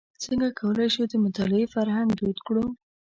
څنګه کولای شو د مطالعې فرهنګ دود کړو.